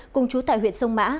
cùng chú tại huyện sông mã